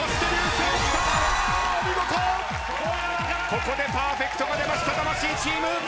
ここでパーフェクトが出ました魂チーム。